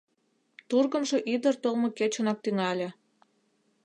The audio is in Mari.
Тургымжо ӱдыр толмо кечынак тӱҥале.